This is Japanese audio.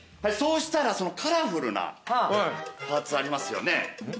そしたらカラフルなパーツありますよね？